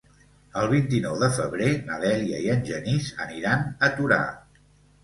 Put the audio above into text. El vint-i-nou de febrer na Dèlia i en Genís aniran a Torà.